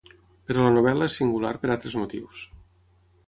Però la novel·la és singular per altres motius.